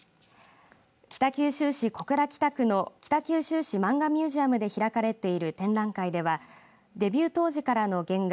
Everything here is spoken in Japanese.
北九州市小倉北区の北九州市漫画ミュージアムで開かれている展覧会ではデビュー当時からの原画